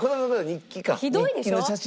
日記の写真。